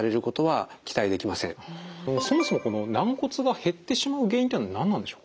そもそもこの軟骨が減ってしまう原因っていうのは何なんでしょうか？